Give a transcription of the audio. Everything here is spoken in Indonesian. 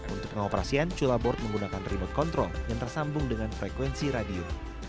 untuk pengoperasian cula board menggunakan remote control yang tersambung dengan frekuensi radio